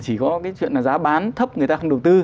chỉ có cái chuyện là giá bán thấp người ta không đầu tư